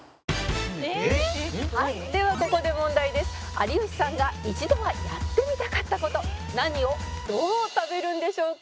「有吉さんが一度はやってみたかった事何をどう食べるんでしょうか？」